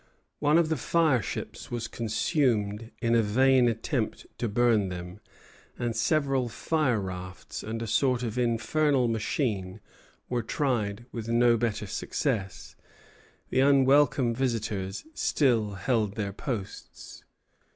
One of the fireships was consumed in a vain attempt to burn them, and several firerafts and a sort of infernal machine were tried with no better success; the unwelcome visitors still held their posts.